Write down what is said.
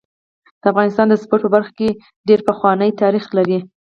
د افغانستان د سپورټ په برخه کي ډير پخوانی تاریخ لري.